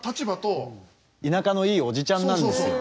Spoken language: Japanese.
田舎のいいおじちゃんなんですよ。